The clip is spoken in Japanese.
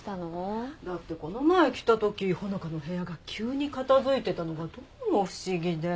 だってこの前来たとき穂香の部屋が急に片付いてたのがどうも不思議で。